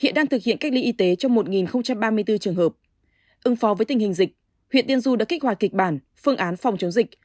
ưng phó với tình hình dịch huyện tiên du đã kích hoạt kịch bản phương án phòng chống dịch